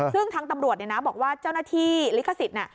ซึ่งทั้งตำรวจบอกว่าเจ้าหน้าที่ลิขสิทธิ์